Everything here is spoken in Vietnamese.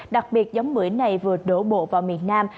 đặc biệt giống bưởi này vừa đổ bộ vào miền nam